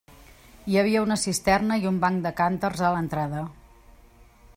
Hi havia una cisterna i un banc de cànters a l'entrada.